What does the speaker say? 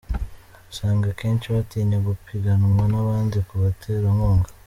Usanga akenshi batinya gupiganwa n’abandi ku baterankunga.